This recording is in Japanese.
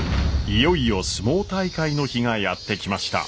いよいよ角力大会の日がやって来ました。